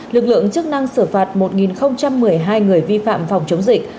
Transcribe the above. lực lượng chức năng xử phạt một một mươi hai người vi phạm phòng chống dịch